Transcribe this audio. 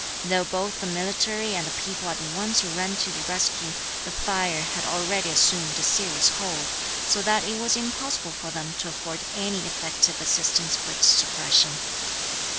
Though both the military and the people at once ran to the rescue, the fire had already assumed a serious hold, so that it was impossible for them to afford any effective assistance for its suppression.